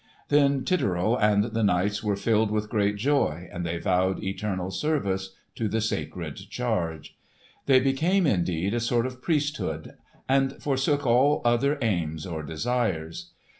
Then Titurel and the knights were filled with great joy, and they vowed eternal service to the sacred charge. They became, indeed, a sort of priesthood and forsook all other aims or desires.